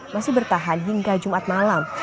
masih bertahan hingga jumat malam